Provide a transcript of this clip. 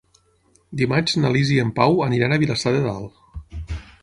Dimarts na Lis i en Pau aniran a Vilassar de Dalt.